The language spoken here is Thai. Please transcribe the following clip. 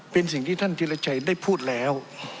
เป็นสิ่งที่ท่านธิรชัยได้พูดแล้ว